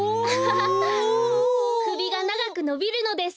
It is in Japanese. アハハくびがながくのびるのです。